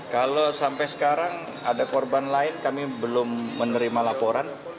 kalau sampai sekarang ada korban lain kami belum menerima laporan